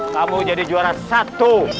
kamu jadi juara satu